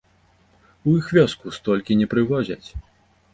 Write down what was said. У іх вёску столькі не прывозяць.